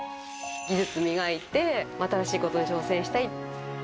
技術磨いて新しいことに挑戦したい。